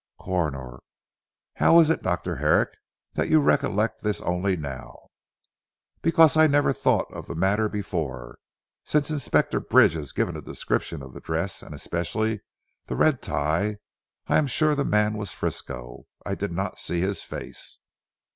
Coroner. "How is it Dr. Herrick that you recollect this only now?" "Because I never thought of the matter before. Since Inspector Bridge has given a description of the dress and especially the red tie. I am sure the man was Frisco. I did not see his face."